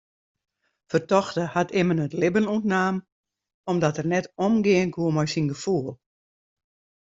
Fertochte hat immen it libben ûntnaam omdat er net omgean koe mei syn gefoel.